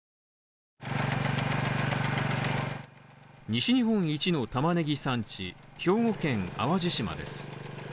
西日本一のタマネギ産地兵庫県淡路島です。